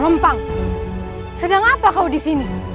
rompang sedang apa kau disini